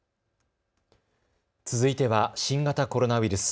続いては新型コロナウイルス。